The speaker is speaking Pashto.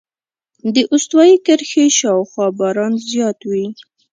د استوایي کرښې شاوخوا باران زیات وي.